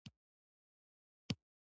د ادرار د څڅیدو لپاره د کدو تخم وخورئ